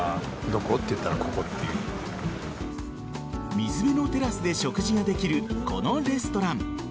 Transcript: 水辺のテラスで食事ができるこのレストラン。